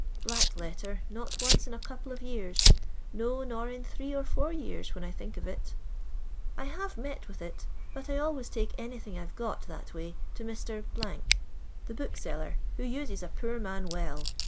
Black letter, not once in a couple of yean ; no, nor in three or Ibar yean, when I think of it I have met with it, bat I always take anything I 've got that way to Mr. , the 114 LONDON LABOUR AND THE LONDON POOR. bookseller, who utei a poor man well.